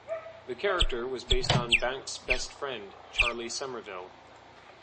The character was based on Bancks's best friend, Charlie Somerville.